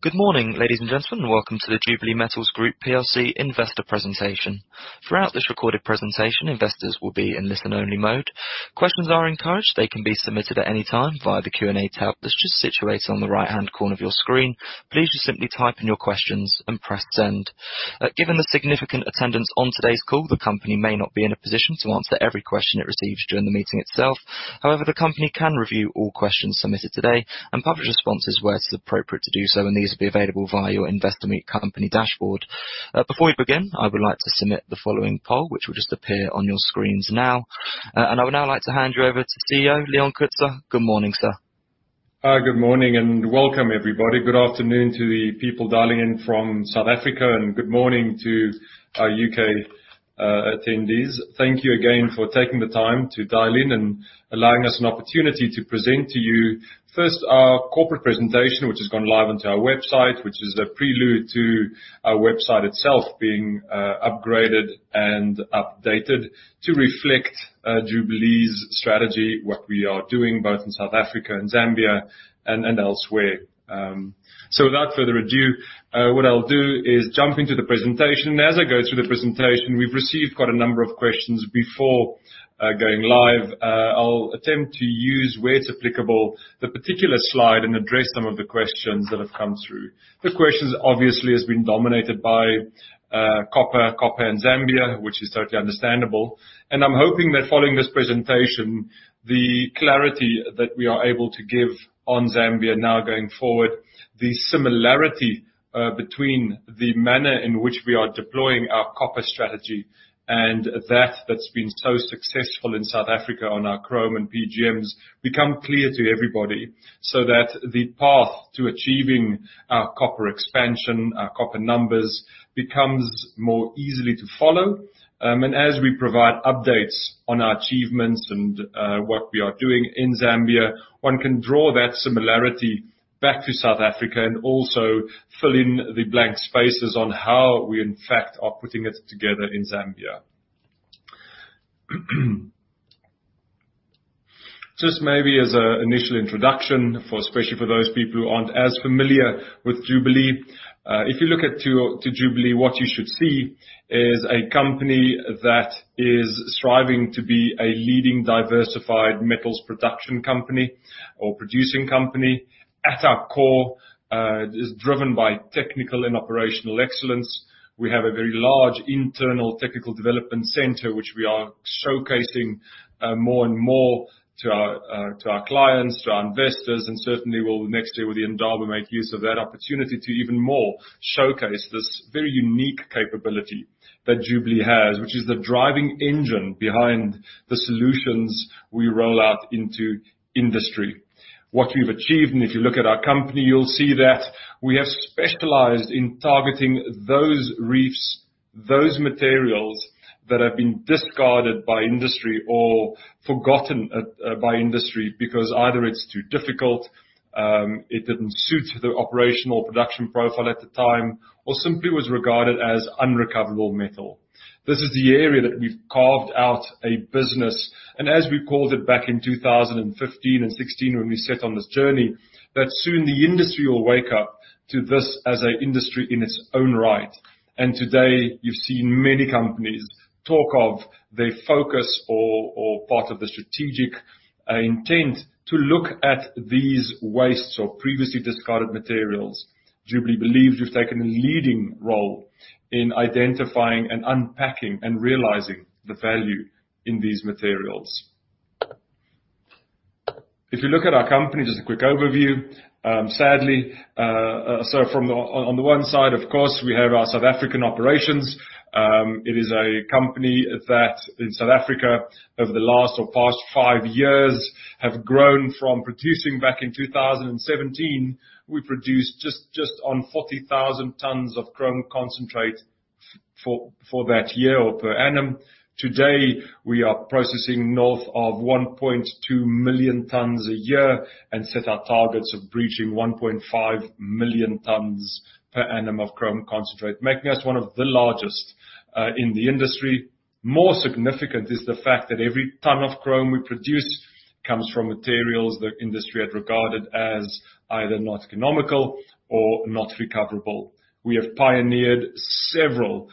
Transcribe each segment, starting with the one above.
Good morning, ladies and gentlemen. Welcome to the Jubilee Metals Group PLC Investor Presentation. Throughout this recorded presentation, investors will be in listen-only mode. Questions are encouraged. They can be submitted at any time via the Q&A tab that's just situated on the right-hand corner of your screen. Please just simply type in your questions and press Send. Given the significant attendance on today's call, the company may not be in a position to answer every question it receives during the meeting itself. However, the company can review all questions submitted today and publish responses where it's appropriate to do so, and these will be available via your Investor Meet company dashboard. Before we begin, I would like to submit the following poll, which will just appear on your screens now. I would now like to hand you over to CEO Leon Coetzer. Good morning, sir. Good morning and welcome, everybody. Good afternoon to the people dialing in from South Africa, and good morning to our U.K. attendees. Thank you again for taking the time to dial in and allowing us an opportunity to present to you, first, our corporate presentation, which has gone live onto our website, which is a prelude to our website itself being upgraded and updated to reflect Jubilee's strategy, what we are doing both in South Africa and Zambia and elsewhere. Without further ado, what I'll do is jump into the presentation. As I go through the presentation, we've received quite a number of questions before going live. I'll attempt to use, where it's applicable, the particular slide and address some of the questions that have come through. The questions obviously has been dominated by copper and Zambia, which is totally understandable. I'm hoping that following this presentation, the clarity that we are able to give on Zambia now going forward, the similarity between the manner in which we are deploying our copper strategy and that that's been so successful in South Africa on our chrome and PGMs become clear to everybody, so that the path to achieving our copper expansion, our copper numbers, becomes more easily to follow. As we provide updates on our achievements and what we are doing in Zambia, one can draw that similarity back to South Africa and also fill in the blank spaces on how we, in fact, are putting it together in Zambia. Just maybe as an initial introduction for, especially for those people who aren't as familiar with Jubilee. If you look at Jubilee, what you should see is a company that is striving to be a leading diversified metals production company or producing company. At our core, it is driven by technical and operational excellence. We have a very large internal technical development center, which we are showcasing more and more to our clients, to our investors, and certainly will next year with the Ndola make use of that opportunity to even more showcase this very unique capability that Jubilee has, which is the driving engine behind the solutions we roll out into industry. What we've achieved, and if you look at our company, you'll see that we have specialized in targeting those reefs, those materials that have been discarded by industry or forgotten by industry because either it's too difficult, it didn't suit the operational production profile at the time, or simply was regarded as unrecoverable metal. This is the area that we've carved out a business, and as we called it back in 2015 and 2016 when we set on this journey, that soon the industry will wake up to this as an industry in its own right. Today, you've seen many companies talk of their focus or part of the strategic intent to look at these wastes or previously discarded materials. Jubilee believes we've taken a leading role in identifying and unpacking and realizing the value in these materials. If you look at our company, just a quick overview. Sadly, on the one side, of course, we have our South African operations. It is a company that in South Africa, over the last or past five years, have grown from producing back in 2017, we produced just on 40,000 tons of chrome concentrate for that year or per annum. Today, we are processing north of 1.2 million tons a year and set our targets of breaching 1.5 million tons per annum of chrome concentrate, making us one of the largest in the industry. More significant is the fact that every ton of chrome we produce comes from materials the industry had regarded as either not economical or not recoverable. We have pioneered several,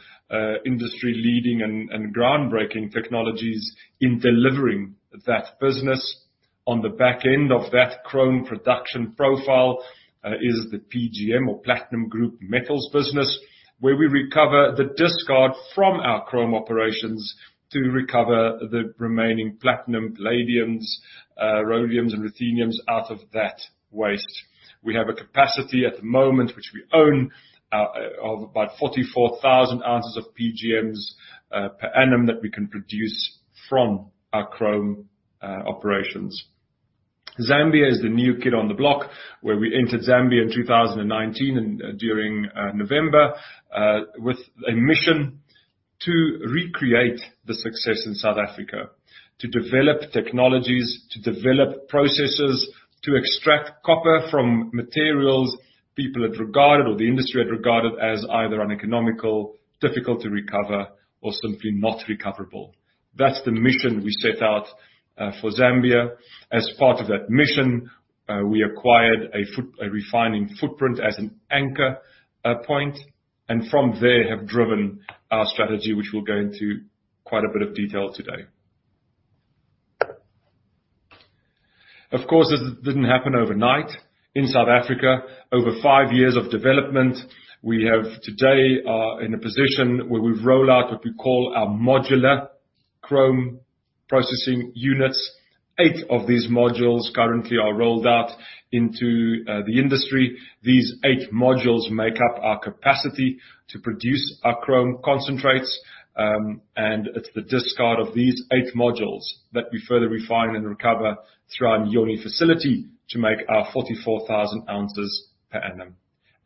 industry-leading and groundbreaking technologies in delivering that business. On the back end of that chrome production profile, is the PGM or platinum group metals business, where we recover the discard from our chrome operations to recover the remaining platinum, palladiums, rhodiums and rutheniums out of that waste. We have a capacity at the moment, which we own, of about 44,000 ounces of PGMs per annum that we can produce from our chrome operations. Zambia is the new kid on the block, where we entered Zambia in 2019 and during November, with a mission to recreate the success in South Africa. To develop technologies, to develop processes, to extract copper from materials people had regarded or the industry had regarded as either uneconomical, difficult to recover, or simply not recoverable. That's the mission we set out for Zambia. As part of that mission, we acquired a refining footprint as an anchor point. From there have driven our strategy, which we'll go into quite a bit of detail today. Of course, this didn't happen overnight. In South Africa, over five years of development, we are today in a position where we've rolled out what we call our modular chrome processing units. Eight of these modules currently are rolled out into the industry. These eight modules make up our capacity to produce our chrome concentrates. It's the discard of these eight modules that we further refine and recover through our Inyoni facility to make our 44,000 ounces per annum.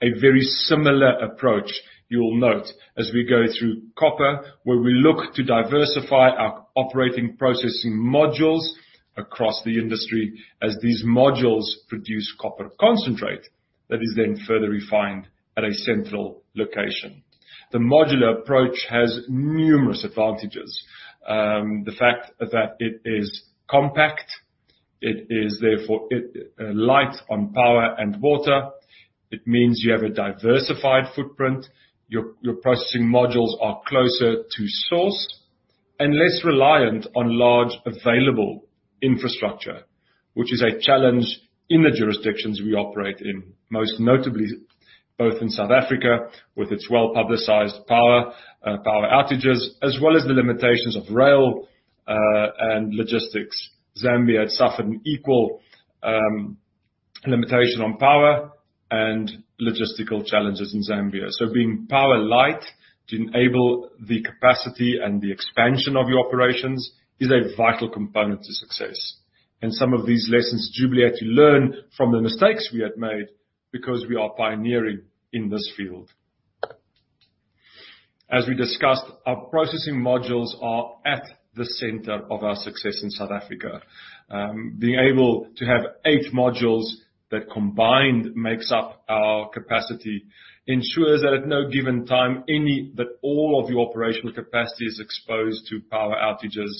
A very similar approach, you'll note as we go through copper, where we look to diversify our operating processing modules across the industry as these modules produce copper concentrate that is then further refined at a central location. The modular approach has numerous advantages. The fact that it is compact, therefore light on power and water. It means you have a diversified footprint. Your processing modules are closer to source and less reliant on large available infrastructure, which is a challenge in the jurisdictions we operate in, most notably both in South Africa with its well-publicized power outages, as well as the limitations of rail and logistics. Zambia had suffered an equal limitation on power and logistical challenges in Zambia. Being power-light to enable the capacity and the expansion of your operations is a vital component to success. Some of these lessons Jubilee had to learn from the mistakes we had made because we are pioneering in this field. As we discussed, our processing modules are at the center of our success in South Africa. Being able to have 8 modules that combined makes up our capacity ensures that at no given time, that all of your operational capacity is exposed to power outages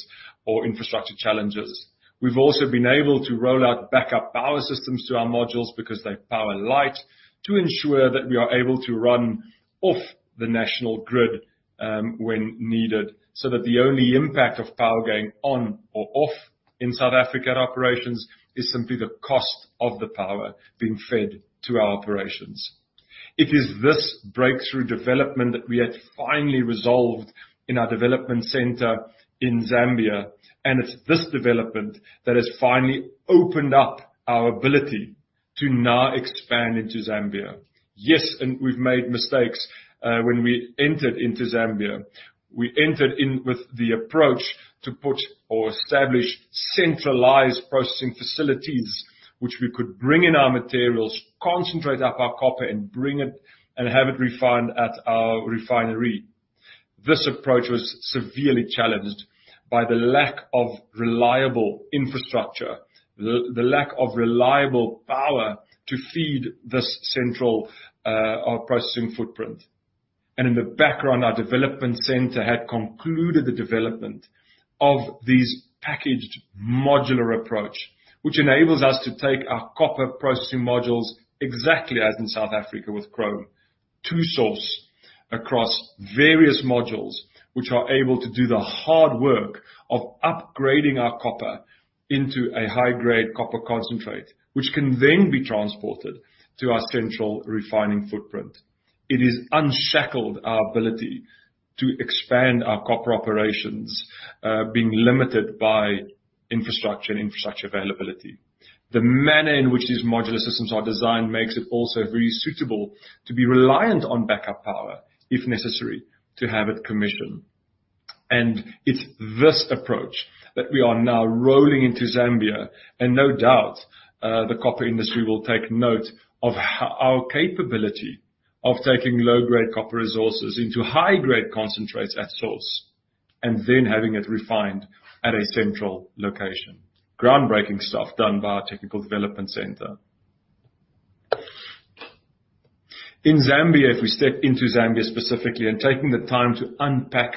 or infrastructure challenges. We've also been able to roll out backup power systems to our modules because they're power-light to ensure that we are able to run off the national grid, when needed, so that the only impact of power going on or off in South African operations is simply the cost of the power being fed to our operations. It is this breakthrough development that we had finally resolved in our development center in Zambia, and it's this development that has finally opened up our ability to now expand into Zambia. Yes, we've made mistakes when we entered into Zambia. We entered in with the approach to put or establish centralized processing facilities, which we could bring in our materials, concentrate up our copper, and bring it and have it refined at our refinery. This approach was severely challenged by the lack of reliable infrastructure, the lack of reliable power to feed this central, our processing footprint. In the background, our development center had concluded the development of these packaged modular approach, which enables us to take our copper processing modules exactly as in South Africa with chrome to source across various modules, which are able to do the hard work of upgrading our copper into a high-grade copper concentrate, which can then be transported to our central refining footprint. It has unshackled our ability to expand our copper operations, being limited by infrastructure and infrastructure availability. The manner in which these modular systems are designed makes it also very suitable to be reliant on backup power, if necessary, to have it commissioned. It's this approach that we are now rolling into Zambia, and no doubt, the copper industry will take note of our capability of taking low-grade copper resources into high-grade concentrates at source, and then having it refined at a central location. Groundbreaking stuff done by our technical development center. In Zambia, if we step into Zambia specifically and taking the time to unpack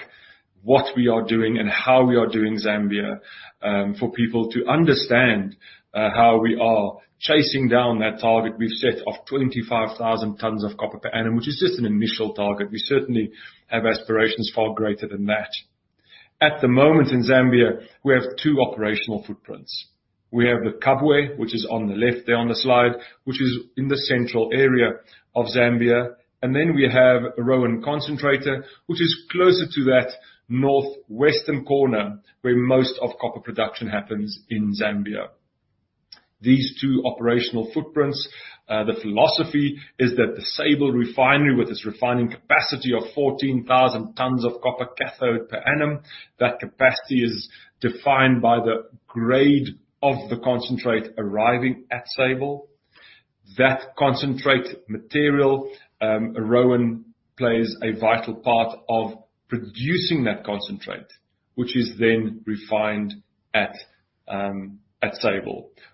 what we are doing and how we are doing in Zambia, for people to understand, how we are chasing down that target we've set of 25,000 tons of copper per annum. Which is just an initial target, we certainly have aspirations far greater than that. At the moment in Zambia, we have two operational footprints. We have the Kabwe, which is on the left there on the slide, which is in the central area of Zambia. We have Roan concentrator, which is closer to that northwestern corner where most of copper production happens in Zambia. These two operational footprints, the philosophy is that the Sable Refinery, with its refining capacity of 14,000 tons of copper cathode per annum, that capacity is defined by the grade of the concentrate arriving at Sable. That concentrate material, Roan plays a vital part of producing that concentrate, which is then refined at Sable.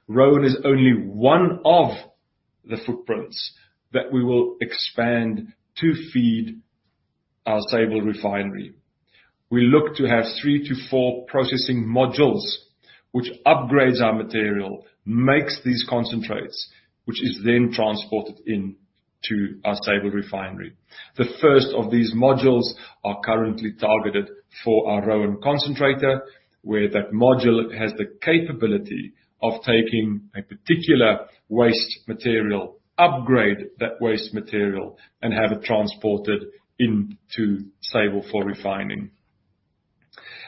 Roan is only one of the footprints that we will expand to feed our Sable Refinery. We look to have 3-4 processing modules which upgrades our material, makes these concentrates, which is then transported into our Sable Refinery. The first of these modules are currently targeted for our Roan concentrator, where that module has the capability of taking a particular waste material, upgrade that waste material, and have it transported into Sable for refining.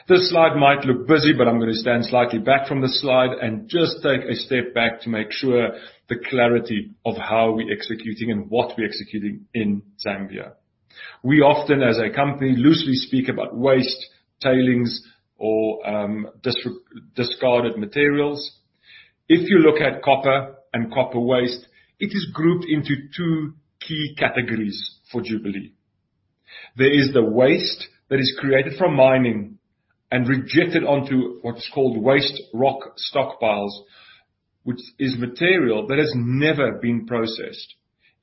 This slide might look busy, but I'm gonna stand slightly back from the slide and just take a step back to make sure the clarity of how we're executing and what we're executing in Zambia. We often, as a company, loosely speak about waste, tailings or, discarded materials. If you look at copper and copper waste, it is grouped into two key categories for Jubilee. There is the waste that is created from mining and rejected onto what's called waste rock stockpiles, which is material that has never been processed.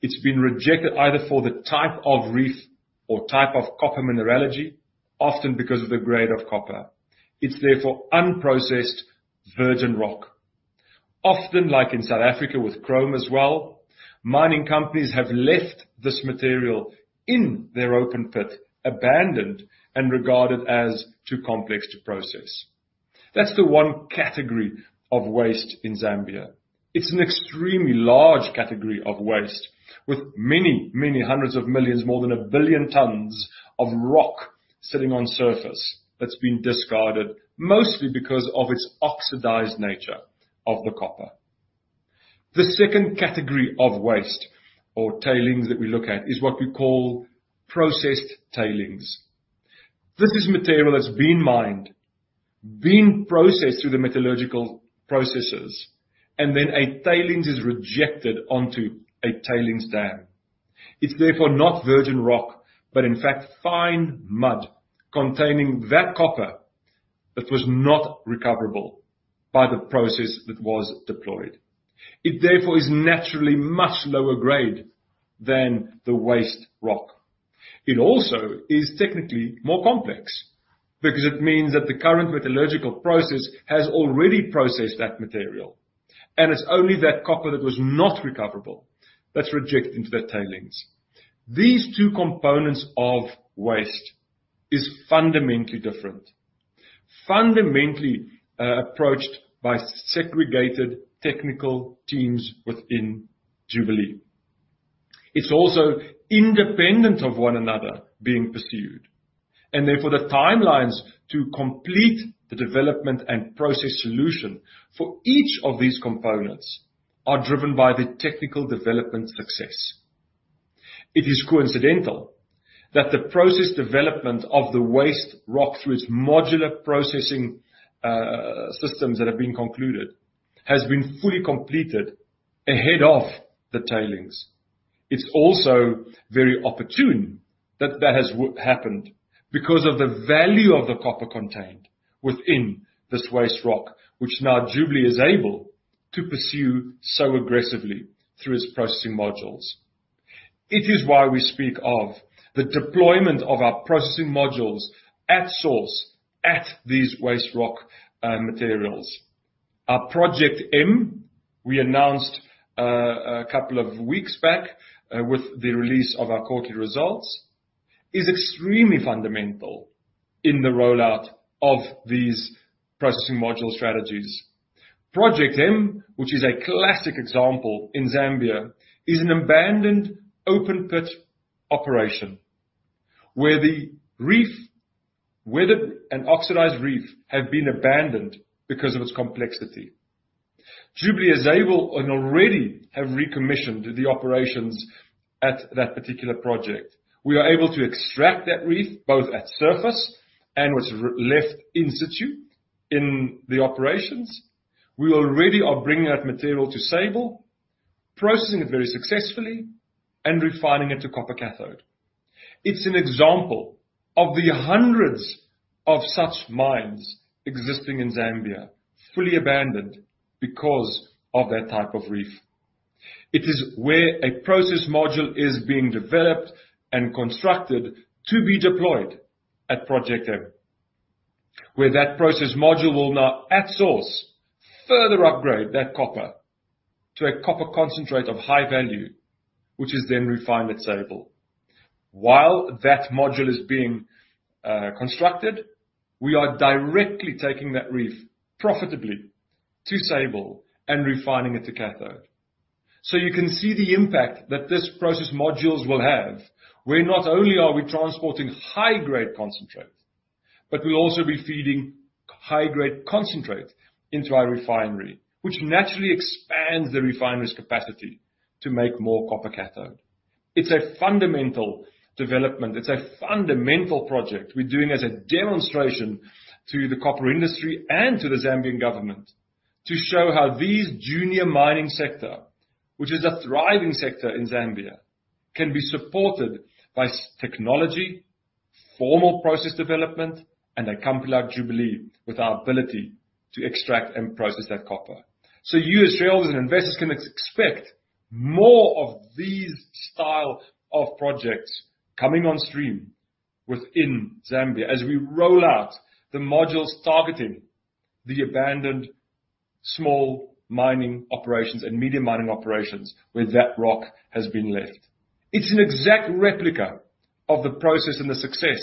It's been rejected either for the type of reef or type of copper mineralogy, often because of the grade of copper. It's therefore unprocessed virgin rock. Often, like in South Africa with chrome as well, mining companies have left this material in their open pit, abandoned and regarded as too complex to process. That's the one category of waste in Zambia. It's an extremely large category of waste with many, many hundreds of millions, more than a billion tons of rock sitting on surface that's been discarded mostly because of its oxidized nature of the copper. The second category of waste or tailings that we look at is what we call processed tailings. This is material that's been mined, been processed through the metallurgical processes, and then tailings are rejected onto a tailings dam. It's therefore not virgin rock, but in fact fine mud containing that copper that was not recoverable by the process that was deployed. It therefore is naturally much lower grade than the waste rock. It also is technically more complex because it means that the current metallurgical process has already processed that material, and it's only that copper that was not recoverable that's rejected into the tailings. These two components of waste is fundamentally different, fundamentally approached by segregated technical teams within Jubilee. It's also independent of one another being pursued, and therefore the timelines to complete the development and process solution for each of these components are driven by the technical development success. It is coincidental that the process development of the waste rock through its modular processing, systems that have been concluded has been fully completed ahead of the tailings. It's also very opportune that that has happened because of the value of the copper contained within this waste rock, which now Jubilee is able to pursue so aggressively through its processing modules. It is why we speak of the deployment of our processing modules at source at these waste rock materials. Our Project M, we announced a couple of weeks back with the release of our quarterly results, is extremely fundamental in the rollout of these processing module strategies. Project M, which is a classic example in Zambia, is an abandoned open pit operation where the reef, whether an oxidized reef have been abandoned because of its complexity. Jubilee is able and already have recommissioned the operations at that particular project. We are able to extract that reef both at surface and what's left in situ in the operations. We already are bringing that material to Sable, processing it very successfully and refining it to copper cathode. It's an example of the hundreds of such mines existing in Zambia, fully abandoned because of that type of reef. It is where a process module is being developed and constructed to be deployed at Project M, where that process module will now at source further upgrade that copper to a copper concentrate of high value, which is then refined at Sable. While that module is being constructed, we are directly taking that reef profitably to Sable and refining it to cathode. You can see the impact that this process modules will have, where not only are we transporting high-grade concentrate, but we'll also be feeding high-grade concentrate into our refinery, which naturally expands the refinery's capacity to make more copper cathode. It's a fundamental development. It's a fundamental project we're doing as a demonstration to the copper industry and to the Zambian government to show how these junior mining sector, which is a thriving sector in Zambia, can be supported by formal process development and a company like Jubilee with our ability to extract and process that copper. You as shareholders and investors can expect more of these style of projects coming on stream within Zambia as we roll out the modules targeting the abandoned small mining operations and medium mining operations where that rock has been left. It's an exact replica of the process and the success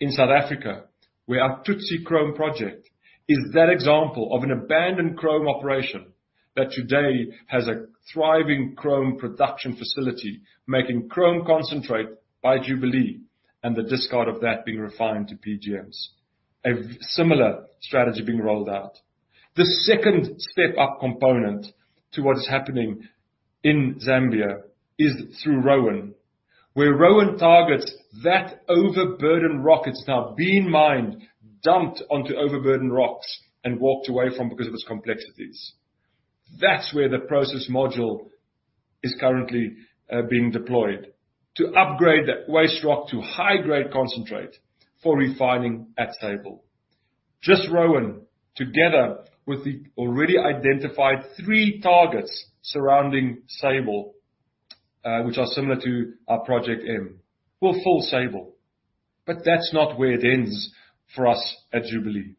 in South Africa, where our Thutse Chrome project is that example of an abandoned chrome operation that today has a thriving chrome production facility, making chrome concentrate by Jubilee and the discard of that being refined to PGMs, a similar strategy being rolled out. The second step-up component to what is happening in Zambia is through Roan, where Roan targets that overburdened rock that's now being mined, dumped onto overburdened rocks, and walked away from because of its complexities. That's where the process module is currently being deployed to upgrade that waste rock to high-grade concentrate for refining at Sable. Just Roan, together with the already identified three targets surrounding Sable, which are similar to our Project M, will fill Sable. That's not where it ends for us at Jubilee.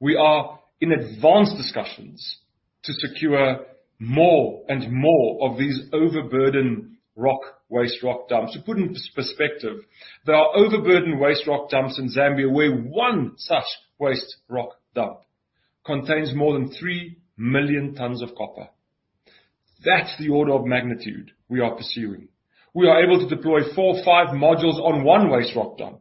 We are in advanced discussions to secure more and more of these overburden waste rock dumps. To put into perspective, there are overburden waste rock dumps in Zambia where one such waste rock dump contains more than three million tons of copper. That's the order of magnitude we are pursuing. We are able to deploy four or five modules on one waste rock dump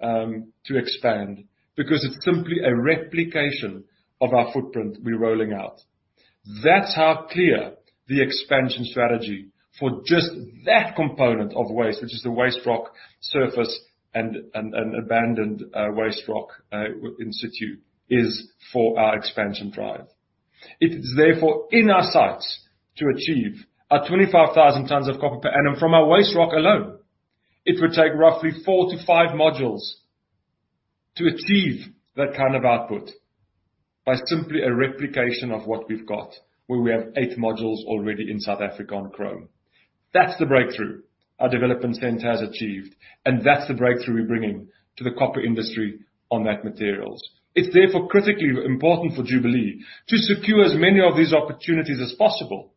to expand because it's simply a replication of our footprint we're rolling out. That's how clear the expansion strategy for just that component of waste, which is the waste rock surface and an abandoned waste rock in situ, is for our expansion drive. It is therefore in our sights to achieve our 25,000 tons of copper per annum from our waste rock alone. It would take roughly 4-5 modules to achieve that kind of output by simply a replication of what we've got, where we have eight modules already in South Africa on chrome. That's the breakthrough our development center has achieved, and that's the breakthrough we're bringing to the copper industry on that materials. It's therefore critically important for Jubilee to secure as many of these opportunities as possible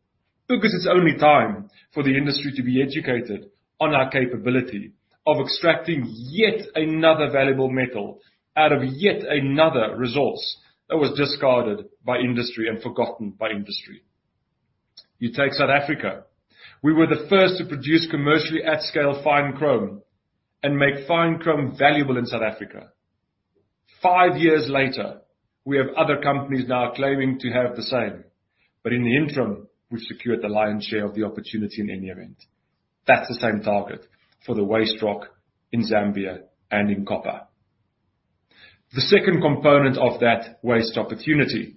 because it's only time for the industry to be educated on our capability of extracting yet another valuable metal out of yet another resource that was discarded by industry and forgotten by industry. You take South Africa. We were the first to produce commercially at scale fine chrome and make fine chrome valuable in South Africa. Five years later, we have other companies now claiming to have the same. In the interim, we've secured the lion's share of the opportunity in any event. That's the same target for the waste rock in Zambia and in copper. The second component of that waste opportunity,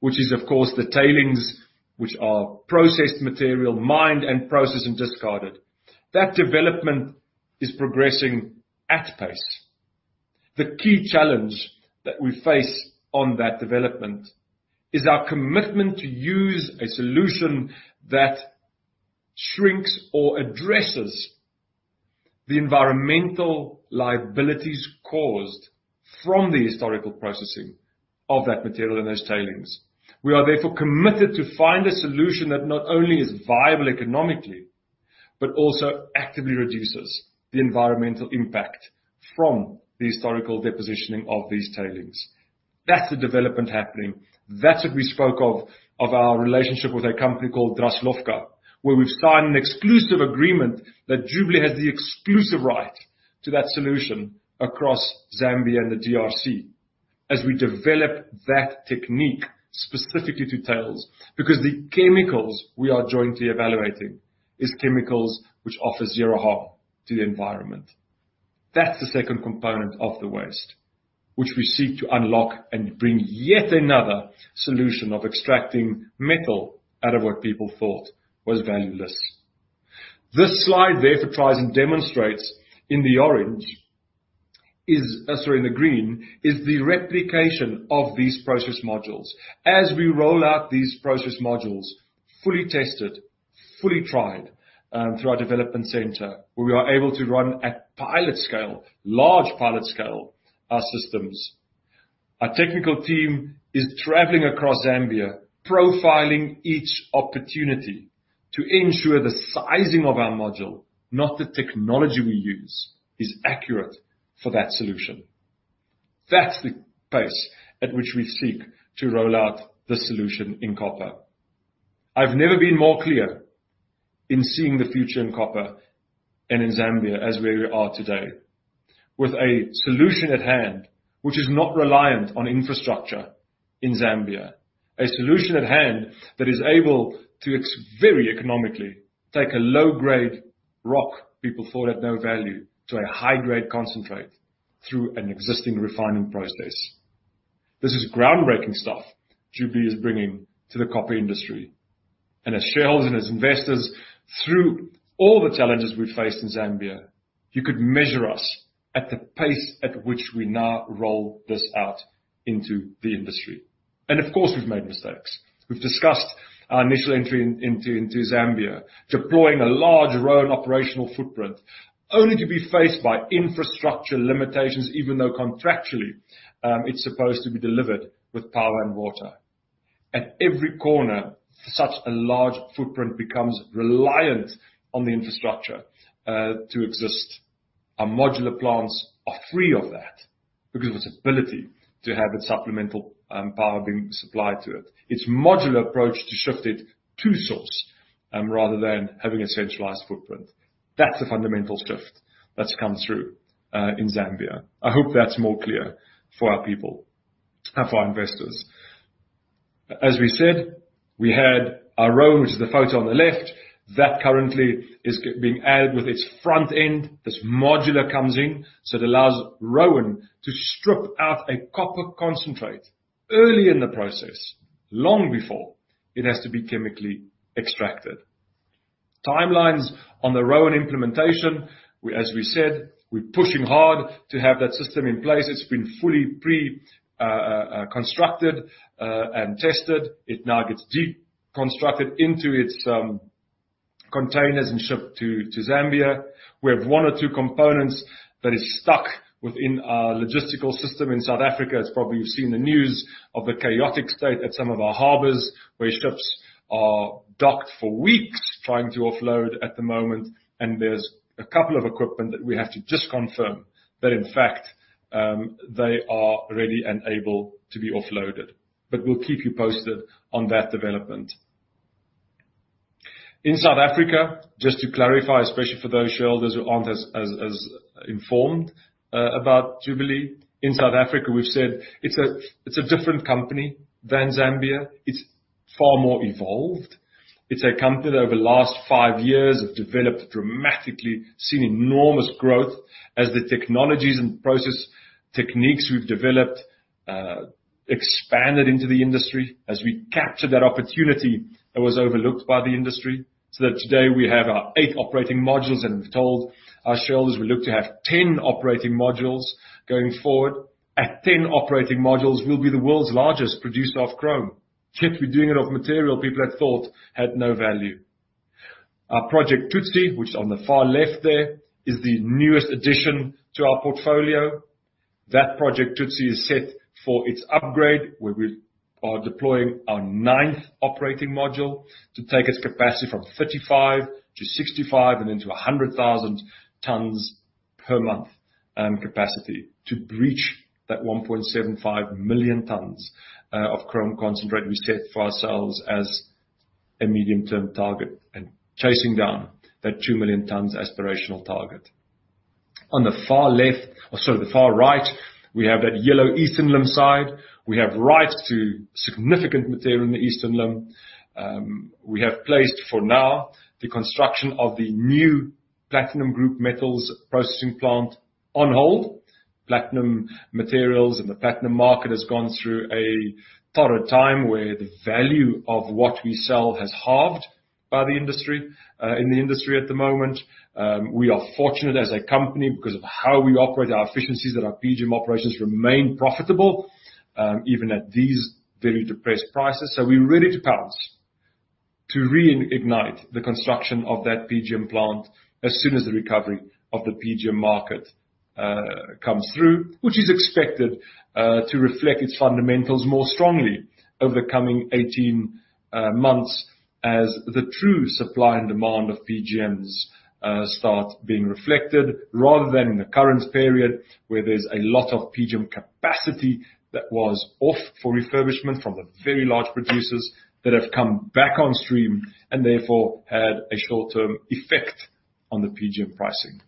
which is of course the tailings, which are processed material, mined and processed and discarded. That development is progressing at pace. The key challenge that we face on that development is our commitment to use a solution that shrinks or addresses the environmental liabilities caused from the historical processing of that material and those tailings. We are therefore committed to find a solution that not only is viable economically, but also actively reduces the environmental impact from the historical depositing of these tailings. That's the development happening. That's what we spoke of our relationship with a company called Draslovka, where we've signed an exclusive agreement that Jubilee has the exclusive right to that solution across Zambia and the DRC as we develop that technique specifically to tails. Because the chemicals we are jointly evaluating is chemicals which offer zero harm to the environment. That's the second component of the waste, which we seek to unlock and bring yet another solution of extracting metal out of what people thought was valueless. This slide therefore tries and demonstrates in the green, is the replication of these process modules. As we roll out these process modules, fully tested, fully tried, through our development center, where we are able to run at large pilot scale our systems. Our technical team is traveling across Zambia, profiling each opportunity to ensure the sizing of our module, not the technology we use, is accurate for that solution. That's the pace at which we seek to roll out the solution in copper. I've never been more clear in seeing the future in copper and in Zambia as where we are today. With a solution at hand, which is not reliant on infrastructure in Zambia, a solution at hand that is able to very economically take a low-grade rock people thought had no value to a high-grade concentrate through an existing refining process. This is groundbreaking stuff Jubilee is bringing to the copper industry. As shareholders and as investors, through all the challenges we faced in Zambia, you could measure us at the pace at which we now roll this out into the industry. Of course, we've made mistakes. We've discussed our initial entry into Zambia, deploying a large Roan operational footprint only to be faced by infrastructure limitations, even though contractually, it's supposed to be delivered with power and water. At every corner, such a large footprint becomes reliant on the infrastructure to exist. Our modular plants are free of that because of its ability to have its supplemental power being supplied to it. Its modular approach to shift it to source rather than having a centralized footprint. That's a fundamental shift that's come through in Zambia. I hope that's more clear for our people and for our investors. As we said, we had our Roan, which is the photo on the left, that currently is being added with its front end. This modular comes in, so it allows Roan to strip out a copper concentrate early in the process, long before it has to be chemically extracted. Timelines on the Roan implementation, as we said, we're pushing hard to have that system in place. It's been fully constructed and tested. It now gets deconstructed into its containers and shipped to Zambia. We have one or two components that is stuck within our logistical system in South Africa. As probably you've seen the news of the chaotic state at some of our harbors, where ships are docked for weeks trying to offload at the moment. There's a couple of equipment that we have to just confirm that, in fact, they are ready and able to be offloaded. But we'll keep you posted on that development. In South Africa, just to clarify, especially for those shareholders who aren't as informed about Jubilee. In South Africa, we've said it's a different company than Zambia. It's far more evolved. It's a company that over the last five years have developed dramatically, seen enormous growth as the technologies and process techniques we've developed expanded into the industry as we capture that opportunity that was overlooked by the industry. Today we have our eight operating modules, and we've told our shareholders we look to have 10 operating modules going forward. At 10 operating modules, we'll be the world's largest producer of chrome, yet we're doing it of material people had thought had no value. Our Project Tshipi, which is on the far left there, is the newest addition to our portfolio. That Project Tshipi is set for its upgrade, where we are deploying our ninth operating module to take its capacity from 35 to 65 and then to 100,000 tons per month, capacity to breach that 1.75 million tons of chrome concentrate we set for ourselves as a medium-term target and chasing down that two million tons aspirational target. On the far left, or sorry, the far right, we have that yellow Eastern Limb side. We have rights to significant material in the Eastern Limb. We have placed for now the construction of the new platinum group metals processing plant on hold. Platinum materials and the platinum market has gone through a tough time where the value of what we sell has halved in the industry at the moment. We are fortunate as a company because of how we operate, our efficiencies at our PGM operations remain profitable, even at these very depressed prices. We're ready to pounce, to reignite the construction of that PGM plant as soon as the recovery of the PGM market comes through, which is expected to reflect its fundamentals more strongly over the coming 18 months as the true supply and demand of PGMs start being reflected rather than in the current period, where there's a lot of PGM capacity that was off for refurbishment from the very large producers that have come back on stream and therefore had a short-term effect on the PGM pricing.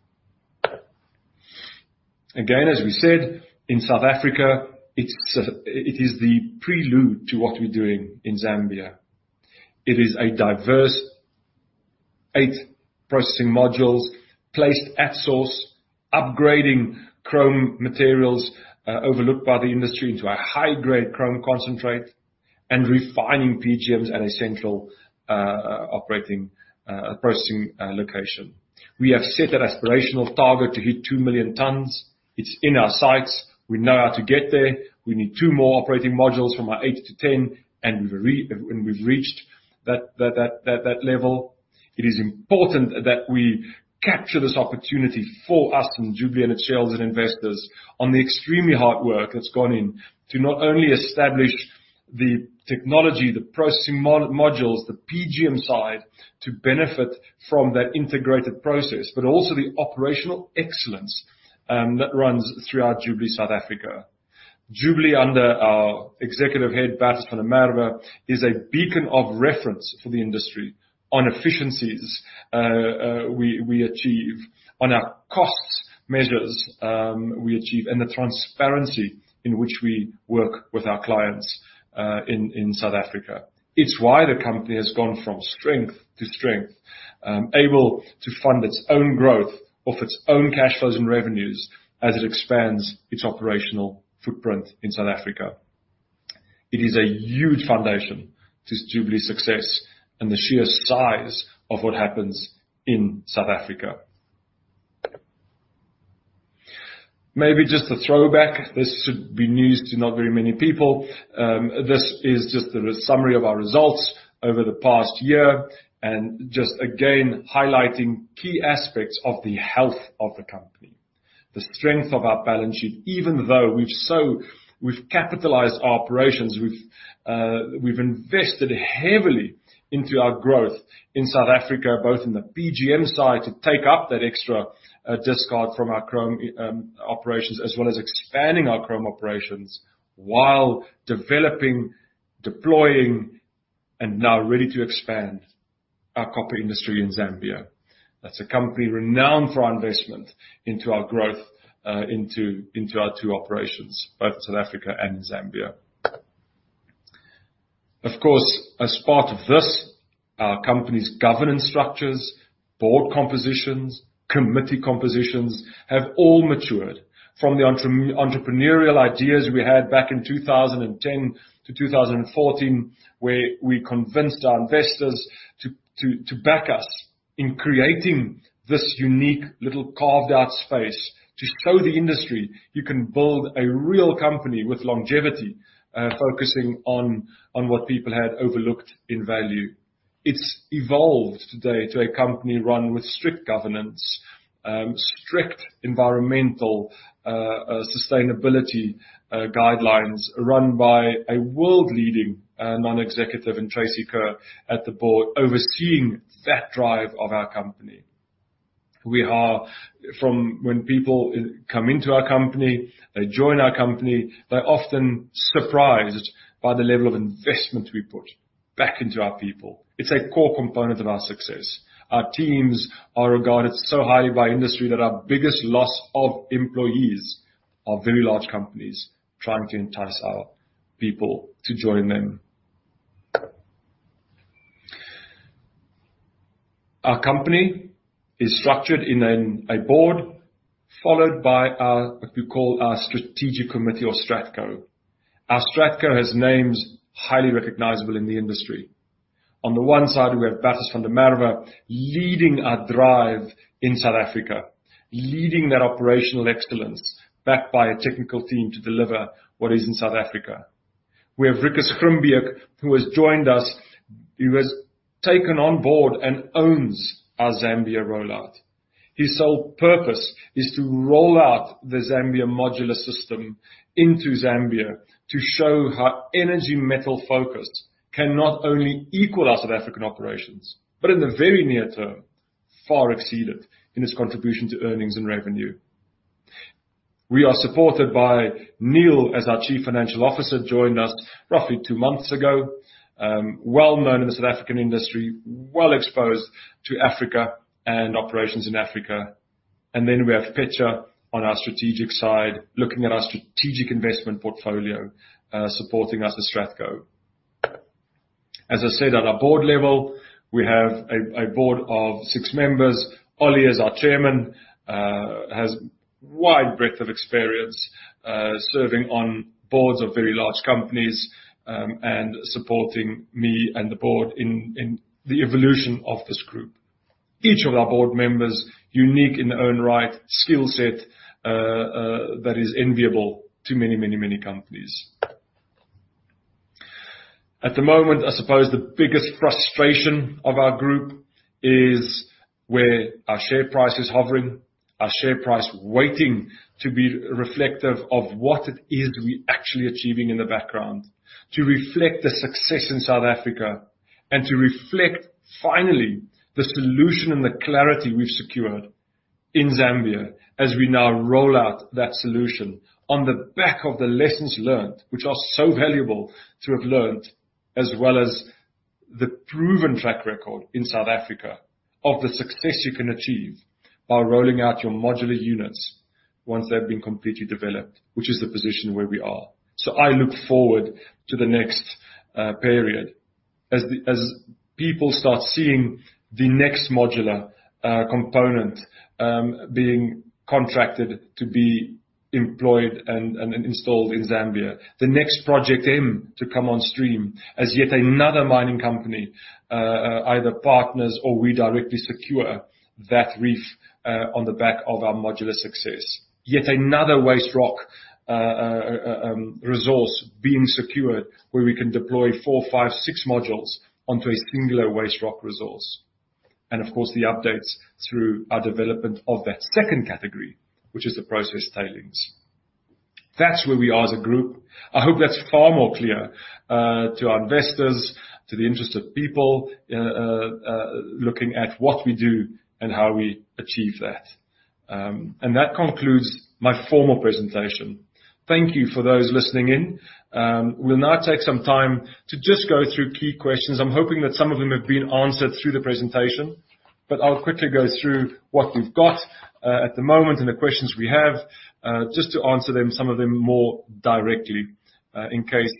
Again, as we said, in South Africa, it is the prelude to what we're doing in Zambia. It is eight diverse processing modules placed at source, upgrading chrome materials overlooked by the industry into a high-grade chrome concentrate and refining PGMs at a central operating processing location. We have set an aspirational target to hit two million tons. It's in our sights. We know how to get there. We need two more operating modules from our eight to 10, and we've reached that level. It is important that we capture this opportunity for us in Jubilee and its shareholders and investors on the extremely hard work that's gone in to not only establish the technology, the processing modules, the PGM side to benefit from that integrated process, but also the operational excellence that runs throughout Jubilee South Africa. Jubilee under our Executive Head, Bertus van der Merwe, is a beacon of reference for the industry on efficiencies we achieve, on our costs measures we achieve, and the transparency in which we work with our clients in South Africa. It's why the company has gone from strength to strength, able to fund its own growth off its own cash flows and revenues as it expands its operational footprint in South Africa. It is a huge foundation to Jubilee's success and the sheer size of what happens in South Africa. Maybe just a throwback. This should be news to not very many people. This is just a summary of our results over the past year and just again highlighting key aspects of the health of the company, the strength of our balance sheet, even though we've capitalized our operations, we've invested heavily into our growth in South Africa, both in the PGM side, to take up that extra, discard from our chrome operations, as well as expanding our chrome operations while developing, deploying, and now ready to expand our copper industry in Zambia. That's a company renowned for our investment into our growth, into our two operations, both South Africa and Zambia. Of course, as part of this, our company's governance structures, board compositions, committee compositions, have all matured from the entrepreneurial ideas we had back in 2010 to 2014, where we convinced our investors to back us in creating this unique little carved out space to show the industry you can build a real company with longevity, focusing on what people had overlooked in value. It's evolved today to a company run with strict governance, strict environmental sustainability guidelines run by a world-leading non-executive in Tracey Kerr at the board, overseeing that drive of our company. When people come into our company, they join our company, they're often surprised by the level of investment we put back into our people. It's a core component of our success. Our teams are regarded so highly by industry that our biggest loss of employees are very large companies trying to entice our people to join them. Our company is structured in a board followed by our what we call our strategic committee or Stratco. Our Stratco has names highly recognizable in the industry. On the one side, we have Bertus van der Merwe leading our drive in South Africa, leading that operational excellence backed by a technical team to deliver what is in South Africa. We have Ricus Grimbeek, who has joined us. He has taken on board and owns our Zambia rollout. His sole purpose is to roll out the Zambia modular system into Zambia to show how energy metal focused can not only equal our South African operations, but in the very near term, far exceed it in its contribution to earnings and revenue. We are supported by Neil as our Chief Financial Officer, joined us roughly two months ago, well-known in the South African industry, well exposed to Africa and operations in Africa. Then we have Petra on our strategic side, looking at our strategic investment portfolio, supporting us with Stratco. As I said, at our board level, we have a board of six members. Ollie, as our Chairman, has wide breadth of experience, serving on boards of very large companies, and supporting me and the board in the evolution of this group. Each of our board members unique in their own right, skill set, that is enviable to many, many, many companies. At the moment, I suppose the biggest frustration of our group is where our share price is hovering, waiting to be reflective of what it is we're actually achieving in the background, to reflect the success in South Africa and to reflect finally the solution and the clarity we've secured in Zambia as we now roll out that solution on the back of the lessons learned, which are so valuable to have learnt, as well as the proven track record in South Africa of the success you can achieve by rolling out your modular units once they've been completely developed, which is the position where we are. I look forward to the next period as people start seeing the next modular component being contracted to be employed and installed in Zambia. The next Project M to come on stream as yet another mining company either partners or we directly secure that reef on the back of our modular success. Yet another waste rock resource being secured where we can deploy four, five, six modules onto a singular waste rock resource. Of course, the updates through our development of that second category, which is the process tailings. That's where we are as a group. I hope that's far more clear to our investors, to the interested people looking at what we do and how we achieve that. That concludes my formal presentation. Thank you for those listening in. We'll now take some time to just go through key questions. I'm hoping that some of them have been answered through the presentation, but I'll quickly go through what we've got at the moment and the questions we have just to answer them, some of them more directly, in case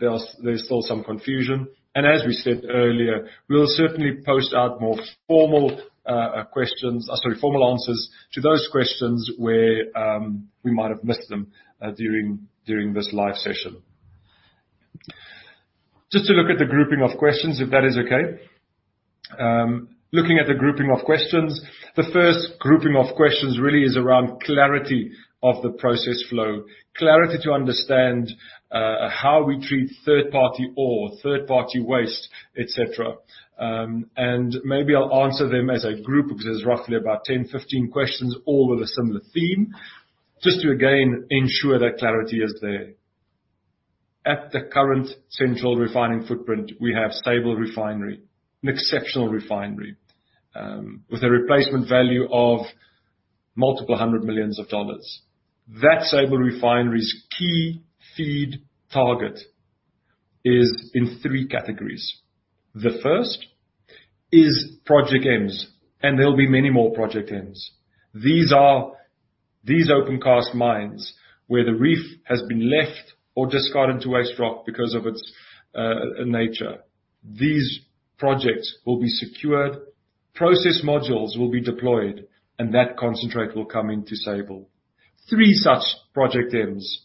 there's still some confusion. As we said earlier, we'll certainly post out more formal answers to those questions where we might have missed them during this live session. Just to look at the grouping of questions, if that is okay. Looking at the grouping of questions, the first grouping of questions really is around clarity of the process flow, clarity to understand how we treat third-party ore, third-party waste, et cetera. Maybe I'll answer them as a group because there's roughly about 10, 15 questions, all with a similar theme, just to again ensure that clarity is there. At the current central refining footprint, we have Sable Refinery, an exceptional refinery, with a replacement value of multiple hundreds of millions of dollars. That Sable Refinery's key feed target is in three categories. The first is Project Ms, and there'll be many more Project Ms. These are, these open cast mines where the reef has been left or discarded to waste rock because of its nature. These projects will be secured, process modules will be deployed, and that concentrate will come into Sable. Three such Project Ms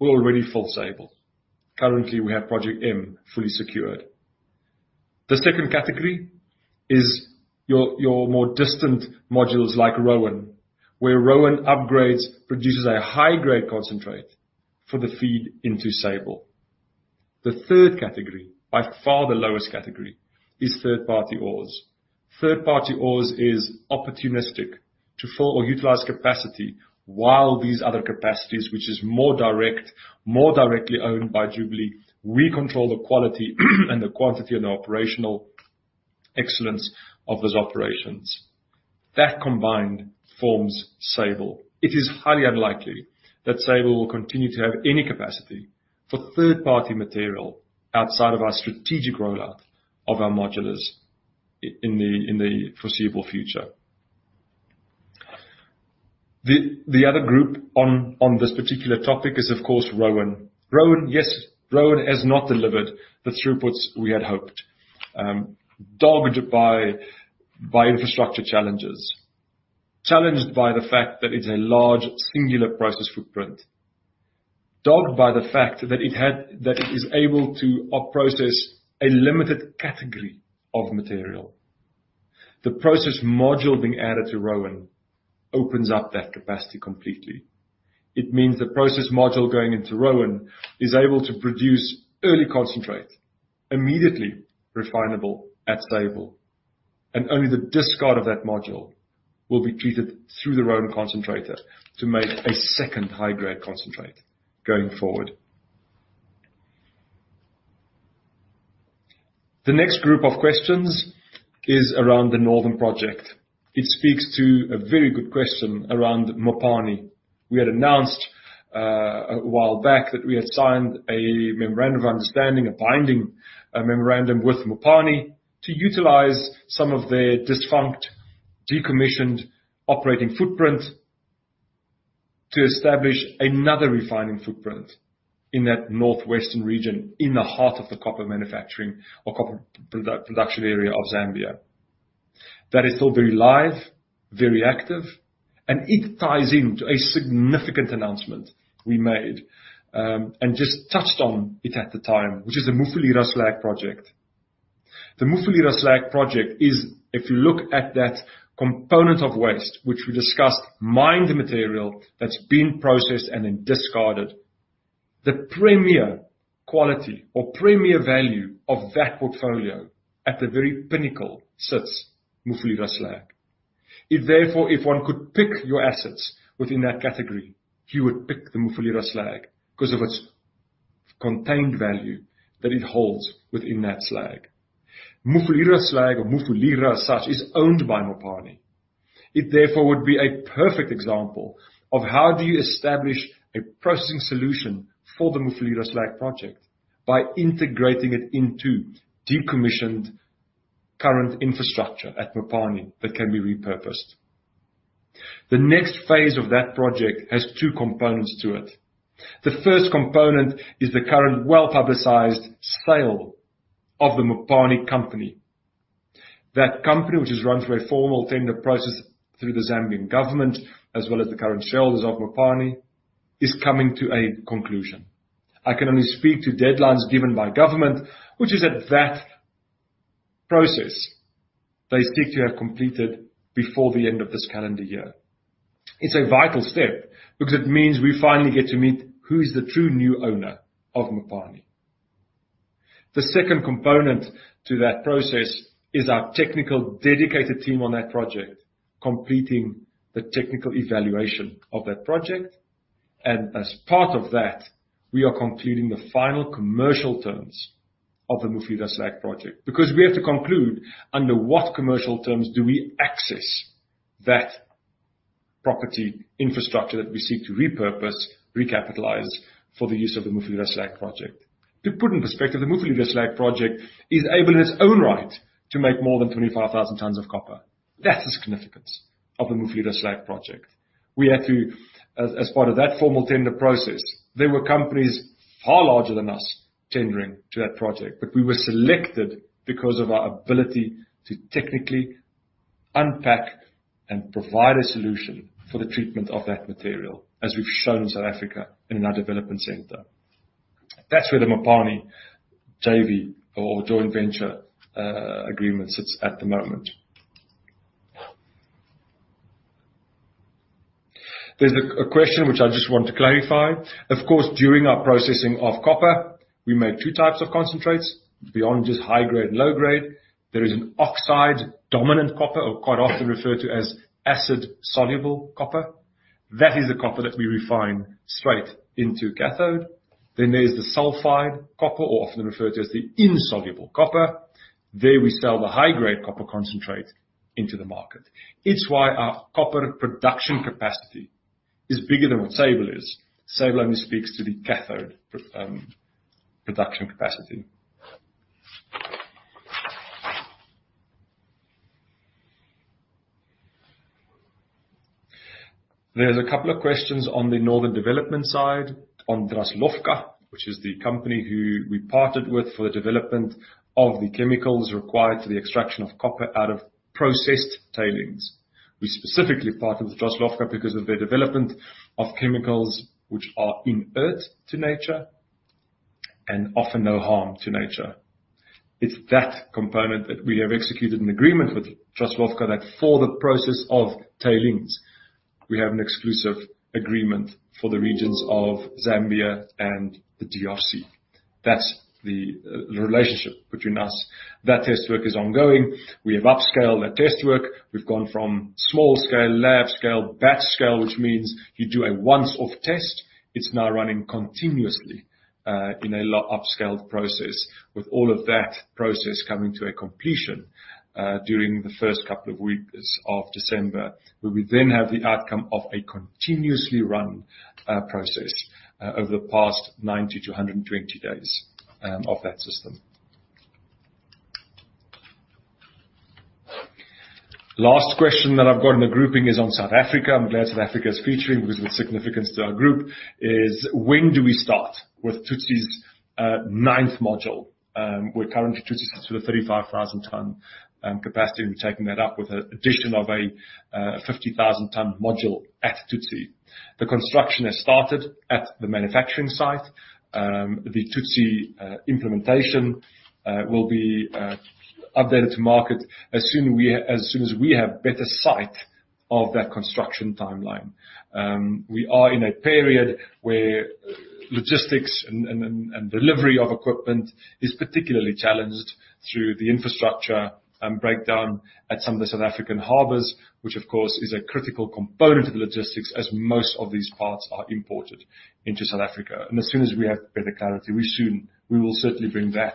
will already fill Sable. Currently, we have Project M fully secured. The second category is your more distant modules like Roan, where Roan upgrades produces a high-grade concentrate for the feed into Sable. The third category, by far the lowest category, is third-party ores. Third-party ores is opportunistic to fill or utilize capacity while these other capacities, which is more direct, more directly owned by Jubilee, we control the quality and the quantity and the operational excellence of those operations. That combined forms Sable. It is highly unlikely that Sable will continue to have any capacity for third-party material outside of our strategic rollout of our modulars in the foreseeable future. The other group on this particular topic is, of course, Roan. Roan has not delivered the throughputs we had hoped. Dogged by infrastructure challenges, challenged by the fact that it's a large singular process footprint. Dogged by the fact that it is able to process a limited category of material. The process module being added to Roan opens up that capacity completely. It means the process module going into Roan is able to produce early concentrate, immediately refinable at Sable, and only the discard of that module will be treated through the Roan concentrator to make a second high-grade concentrate going forward. The next group of questions is around the Northern project. It speaks to a very good question around Mopani. We had announced a while back that we had signed a memorandum of understanding, a binding memorandum with Mopani to utilize some of their defunct, decommissioned operating footprint to establish another refining footprint in that northwestern region in the heart of the copper manufacturing or copper production area of Zambia. That is still very live, very active, and it ties into a significant announcement we made, and just touched on it at the time, which is the Mufulira Slag Project. The Mufulira Slag Project is, if you look at that component of waste, which we discussed, mined material that's been processed and then discarded. The premier quality or premier value of that portfolio at the very pinnacle sits Mufulira Slag. If therefore, if one could pick your assets within that category, you would pick the Mufulira Slag 'cause of its contained value that it holds within that slag. Mufulira Slag or Mufulira as such, is owned by Mopani. It therefore would be a perfect example of how do you establish a processing solution for the Mufulira Slag Project by integrating it into decommissioned current infrastructure at Mopani that can be repurposed. The next phase of that project has two components to it. The first component is the current well-publicized sale of the Mopani company. That company, which is run through a formal tender process through the Zambian government, as well as the current shareholders of Mopani, is coming to a conclusion. I can only speak to deadlines given by government, which is at that process they seek to have completed before the end of this calendar year. It's a vital step because it means we finally get to meet who's the true new owner of Mopani. The second component to that process is our technical dedicated team on that project, completing the technical evaluation of that project. As part of that, we are concluding the final commercial terms of the Mufulira Slag Project. Because we have to conclude under what commercial terms do we access that property infrastructure that we seek to repurpose, recapitalize for the use of the Mufulira Slag Project. To put in perspective, the Mufulira Slag Project is able in its own right to make more than 25,000 tons of copper. That's the significance of the Mufulira Slag Project. We had to, as part of that formal tender process, there were companies far larger than us tendering to that project, but we were selected because of our ability to technically unpack and provide a solution for the treatment of that material, as we've shown in South Africa in our development center. That's where the Mopani JV or joint venture agreement sits at the moment. There's a question which I just want to clarify. Of course, during our processing of copper, we made two types of concentrates. Beyond just high grade and low grade, there is an oxide-dominant copper, or quite often referred to as acid-soluble copper. That is the copper that we refine straight into cathode. Then there's the sulfide copper or often referred to as the insoluble copper. There we sell the high grade copper concentrate into the market. It's why our copper production capacity is bigger than what Sable is. Sable only speaks to the cathode production capacity. There's a couple of questions on the northern development side on Draslovka, which is the company who we partnered with for the development of the chemicals required for the extraction of copper out of processed tailings. We specifically partnered with Draslovka because of their development of chemicals, which are inert to nature and offer no harm to nature. It's that component that we have executed an agreement with Draslovka that for the process of tailings, we have an exclusive agreement for the regions of Zambia and the DRC. That's the relationship between us. That test work is ongoing. We have upscaled that test work. We've gone from small scale, lab scale, batch scale, which means you do a once-off test. It's now running continuously in an upscaled process, with all of that process coming to a completion during the first couple of weeks of December, where we then have the outcome of a continuously run process over the past 90-120 days of that system. Last question that I've got in the grouping is on South Africa. I'm glad South Africa is featuring because the significance to our group is when do we start with Tshipi's ninth module? We're currently Tshipi sits with a 35,000 ton capacity. We're taking that up with the addition of a 50,000 ton module at Tshipi. The construction has started at the manufacturing site. The Tshipi implementation will be updated to market as soon as we have better sight of that construction timeline. We are in a period where logistics and delivery of equipment is particularly challenged through the infrastructure breakdown at some of the South African harbors, which of course is a critical component of the logistics as most of these parts are imported into South Africa. As soon as we have better clarity, we will certainly bring that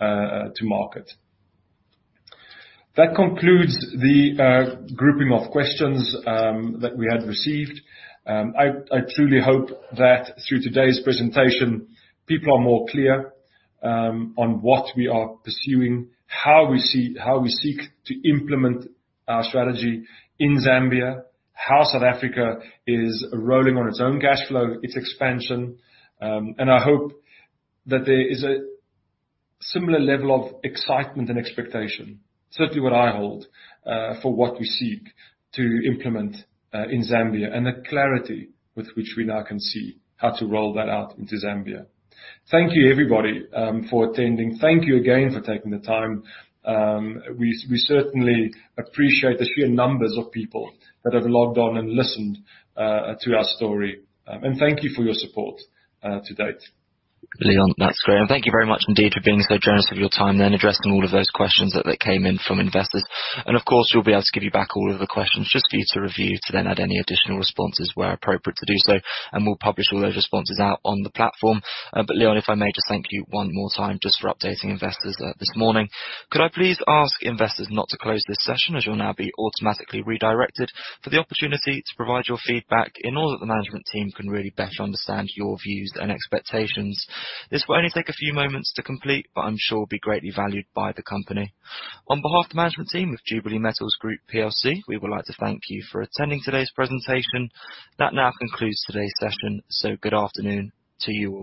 to market. That concludes the grouping of questions that we had received. I truly hope that through today's presentation, people are more clear on what we are pursuing, how we seek to implement our strategy in Zambia. How South Africa is rolling on its own cash flow, its expansion. I hope that there is a similar level of excitement and expectation, certainly what I hold, for what we seek to implement in Zambia, and the clarity with which we now can see how to roll that out into Zambia. Thank you, everybody, for attending. Thank you again for taking the time. We certainly appreciate the sheer numbers of people that have logged on and listened to our story. Thank you for your support to date. Leon, that's great. Thank you very much indeed for being so generous with your time then, addressing all of those questions that came in from investors. Of course, we'll be able to give you back all of the questions just for you to review to then add any additional responses where appropriate to do so, and we'll publish all those responses out on the platform. Leon, if I may just thank you one more time just for updating investors this morning. Could I please ask investors not to close this session as you'll now be automatically redirected for the opportunity to provide your feedback so that the management team can really better understand your views and expectations. This will only take a few moments to complete, but I'm sure it will be greatly valued by the company. On behalf of the management team of Jubilee Metals Group PLC, we would like to thank you for attending today's presentation. That now concludes today's session. Good afternoon to you all.